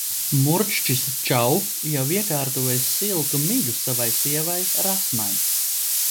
Murkšķis Čau jau iekārtojis siltu migu savai sievai Rasmai.